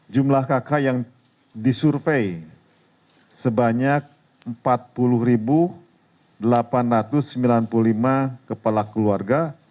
jumlah kakak yang disurvey sebanyak empat puluh delapan ratus sembilan puluh lima kepala keluarga